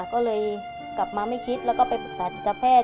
ก็เลยกลับมาไม่คิดแล้วก็ไปปรึกษาจิตแพทย์